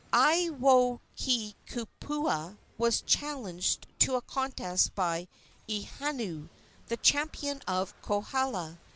Aiwohikupua was challenged to a contest by Ihuanu, the champion of Kohala.